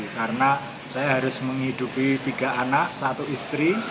karena saya harus menghidupi tiga anak satu istri